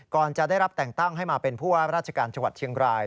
ก่อนจะได้รับแต่งตั้งให้มาเป็นผู้ว่าราชการจังหวัดเชียงราย